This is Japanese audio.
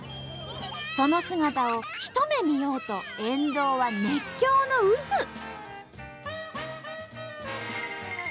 その姿をひと目見ようと沿道は熱狂の渦！